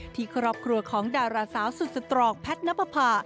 ที่ครอบครัวของดาราสาวสุดสตรองแพทย์นับประพา